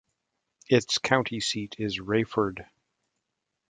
Its county seat is Raeford.